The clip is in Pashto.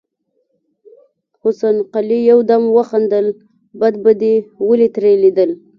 حسن قلي يودم وخندل: بد به دې ولې ترې ليدل.